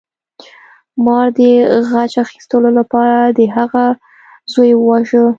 مار د غچ اخیستلو لپاره د هغه زوی وواژه.